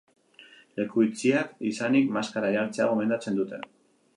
Leku itxiak izanik, maskara jartzea gomendatzen dute.